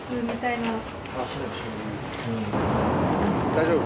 大丈夫？